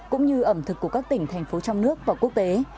cũng như ẩm thực của các tỉnh thành phố trong nước và quốc tế